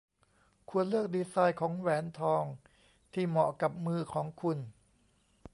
ควรเลือกดีไซน์ของแหวนทองที่เหมาะกับมือของคุณ